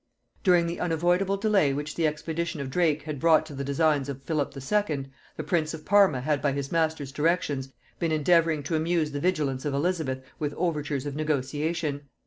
During the unavoidable delay which the expedition of Drake had brought to the designs of Philip II., the prince of Parma had by his master's directions been endeavouring to amuse the vigilance of Elizabeth with overtures of negotiation.